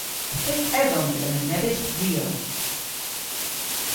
Y fydh edhom dhymm a nebes gwriow.